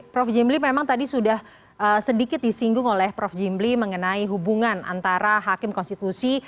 prof jimli memang tadi sudah sedikit disinggung oleh prof jimli mengenai hubungan antara hakim konstitusi